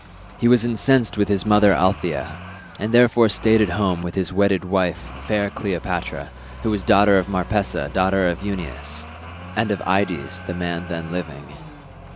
He was incensed with his mother Althaea, and therefore stayed at home with his wedded wife fair Cleopatra, who was daughter of Marpessa daughter of Euenus, and of Ides the man then living.